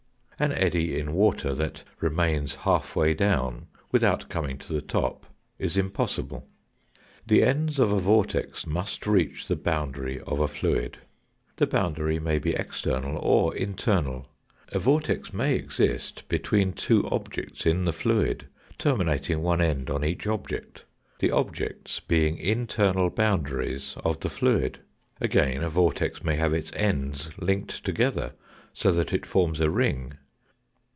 An eddy in water that remains half way down without coming to the top is impossible. The ends of a vortex must reach the boundary of a fluid the boundary may be external or internal a vortex may exist between two objects in the fluid, terminating one end on each object, the objects being internal boundaries of the fluid. Again, a vortex may have its ends linked together, so that it forms a ring.